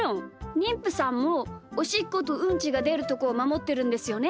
にんぷさんもおしっことうんちがでるところをまもってるんですよね？